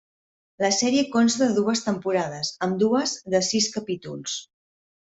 La sèrie consta de dues temporades, ambdues de sis capítols.